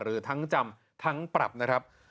หรือทั้งจำทั้งปรับนะครับ